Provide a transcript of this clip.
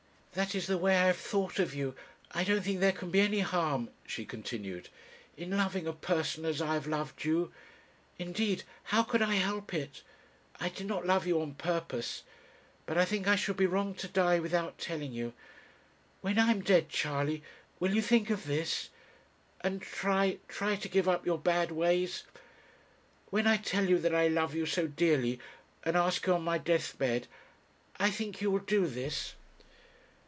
That is the way I have thought of you, I don't think there can be any harm,' she continued, 'in loving a person as I have loved you. Indeed, how could I help it? I did not love you on purpose. But I think I should be wrong to die without telling you. When I am dead, Charley, will you think of this, and try try to give up your bad ways? When I tell you that I love you so dearly, and ask you on my deathbed, I think you will do this.'